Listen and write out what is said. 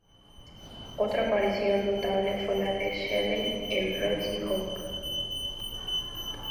Otra aparición notable fue la de Shelley, en "Raising Hope".